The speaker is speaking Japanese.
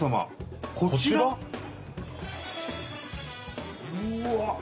こちら⁉うーわっ！